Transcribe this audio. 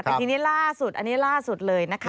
แต่ทีนี้ล่าสุดอันนี้ล่าสุดเลยนะคะ